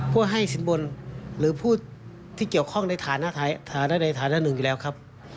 ให้สินบนหรือผู้ที่เกี่ยวข้องในฐานะใดฐานะหนึ่งอยู่แล้วครับ